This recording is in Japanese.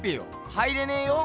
入れねえよ！